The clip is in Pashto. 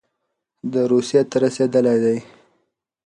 دی روسيې ته رسېدلی دی.